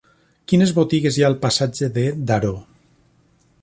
Quines botigues hi ha al passatge de Daró?